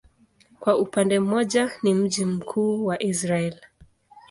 Kwa upande mmoja ni mji mkuu wa Israel.